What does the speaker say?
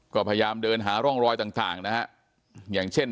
ก็พยายามเดินหาร่องรอยต่างนะฮะอย่างเช่น